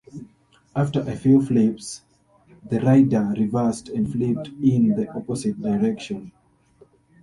After a few flips, the ride reversed and flipped in the opposite direction.